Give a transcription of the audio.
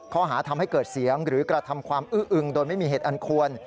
ทำให้เกิดเสียงหรือกระทำความอื้ออึงโดยไม่มีเหตุอันควร